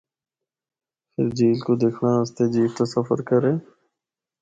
فر جھیل کو دکھنڑا اسطے جیپ دا سفر کرّے۔